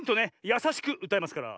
やさしくうたいますから。